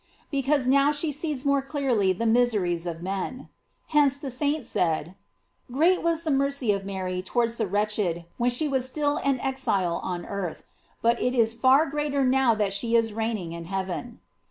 Be cause now she sees more clearly the miseries of men.J Hence the saint said: Great was the mercy of Mary towards the wretched when she was still an exile on earth; but* it is far greater now that she is reigning in heaven.